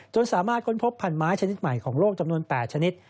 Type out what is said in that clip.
สามารถค้นพบพันไม้ชนิดใหม่ของโลกจำนวน๘ชนิด